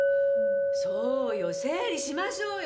そうよ整理しましょうよ。